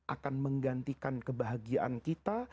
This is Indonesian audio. akan menggantikan kebahagiaan kita